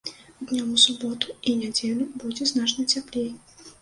Днём у суботу і нядзелю будзе значна цяплей.